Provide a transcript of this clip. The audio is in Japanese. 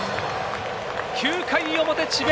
９回表、智弁